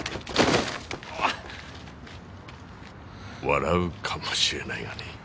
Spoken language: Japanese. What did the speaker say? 笑うかもしれないがね